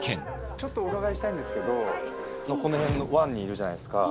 ちょっとお伺いしたいんですけどこのへんの湾にいるじゃないですか。